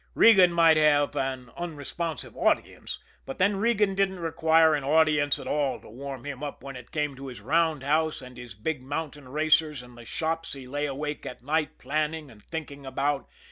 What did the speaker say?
Regan might have an unresponsive audience, but then Regan didn't require an audience at all to warm him up when it came to his roundhouse, and his big mountain racers, and the shops he lay awake at night planning and thinking about.